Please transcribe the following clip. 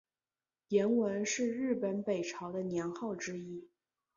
延文是日本北朝的年号之一。